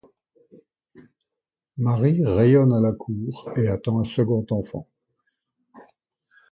Marie rayonne à la cour et attend un second enfant.